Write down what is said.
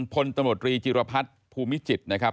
พลตำรวจรีจิรพัฒน์ภูมิจิตรนะครับ